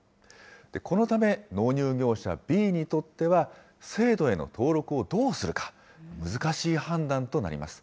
このため、納入業者Ｂにとっては、制度への登録をどうするか、難しい判断となります。